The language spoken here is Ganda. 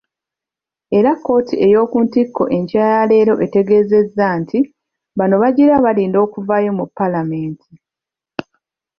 Era kkooti ey'okuntikko enkya yaleero etegeezezza nti bano bagira balinda okuvaayo mu Paalamenti.